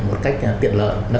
một cách tiện tự